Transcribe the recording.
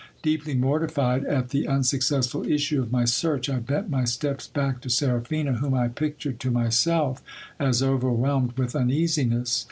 Deeply mortified at the unsuccessful issue of my search, I bent my steps back to Seraphina, whom I pictured to myself as overwhelmed with uneasiness.